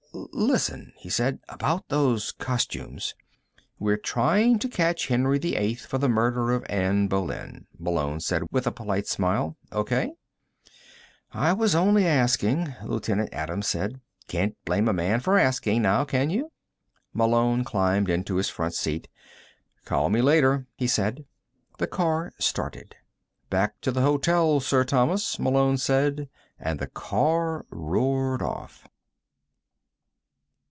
"Listen," he said. "About those costumes " "We're trying to catch Henry VIII for the murder of Anne Boleyn," Malone said with a polite smile. "O.K.?" "I was only asking," Lieutenant Adams said. "Can't blame a man for asking, now, can you?" Malone climbed into his front seat. "Call me later," he said. The car started. "Back to the hotel, Sir Thomas," Malone said, and the car roared off.